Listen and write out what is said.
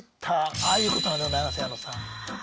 ああいうことなんでございます矢野さん。